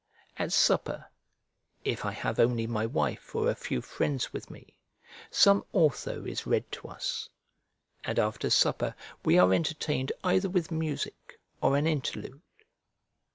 At supper, if I have only my wife or a few friends with me, some author is read to us; and after supper we are entertained either with music or an interlude.